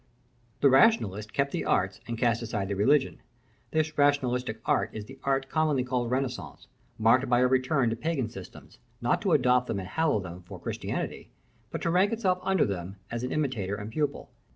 The Rationalist kept the arts and cast aside the religion. This rationalistic art is the art commonly called Renaissance, marked by a return to pagan systems, not to adopt them and hallow them for Christianity, but to rank itself under them as an imitator and pupil.